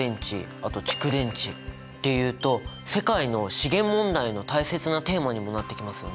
あと「蓄電池」っていうと世界の資源問題の大切なテーマにもなってきますよね。